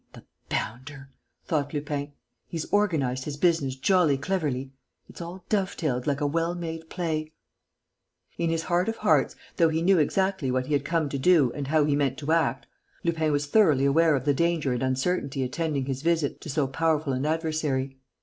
"The bounder!" thought Lupin. "He's organized his business jolly cleverly. It's all dove tailed like a well made play." In his heart of hearts, though he knew exactly what he had come to do and how he meant to act, Lupin was thoroughly aware of the danger and uncertainty attending his visit to so powerful an adversary.